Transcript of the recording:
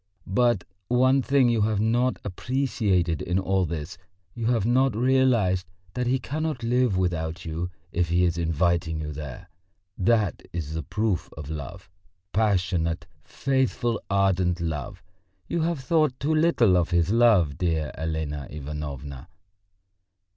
"But one thing you have not appreciated in all this, you have not realised that he cannot live without you if he is inviting you there; that is a proof of love, passionate, faithful, ardent love.... You have thought too little of his love, dear Elena Ivanovna!"